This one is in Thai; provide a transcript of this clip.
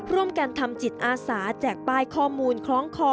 ร่วมกันทำจิตอาสาแจกป้ายข้อมูลคล้องคอ